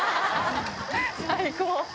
最高！